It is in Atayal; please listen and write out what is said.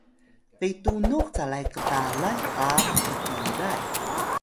betunux calay ktalan qa qpiray